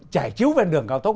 trải chiếu về đường cao tốc